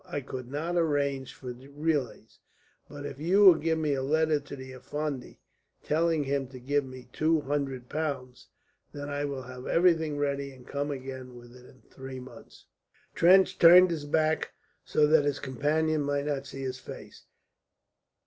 I could not arrange for relays, but if you will give me a letter to the Effendi telling him to give me two hundred pounds, then I will have everything ready and come again within three months." Trench turned his back so that his companion might not see his face.